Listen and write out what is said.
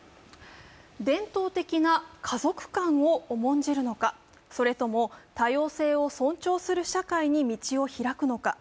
伝統的な家族観を重んじるのか、それとも多様性を尊重する社会に道を開くのか。